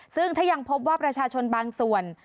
ซึ่งถ้ายังพบว่าประชาชนบางส่วน